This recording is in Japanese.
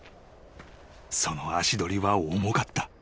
［その足取りは重かった］